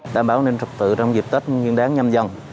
đảm bảo nên trực tự trong dịp tết nguyên đáng nhâm dần